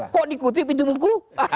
kok dikutip itu buku